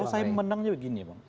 kalau saya memandangnya begini